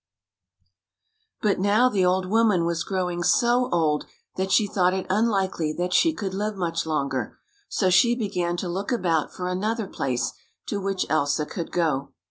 But now the old woman was growing so old that she thought it unlikely that she could live much longer, so she began to look about for another place to which Elsa could go.